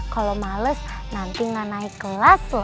kalau males nanti gak naik kelas loh